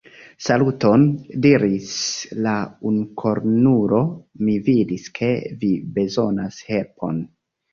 Saluton, diris la unukornulo, mi vidis ke vi bezonas helpon.